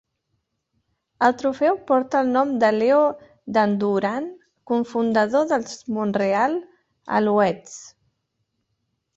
El trofeu porta el nom de Leo Dandurand, cofundador dels Montreal Alouettes.